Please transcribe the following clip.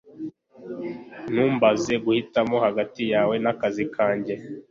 Ntumbaze guhitamo hagati yawe nakazi kanjye